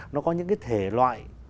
nó có những cái thể loại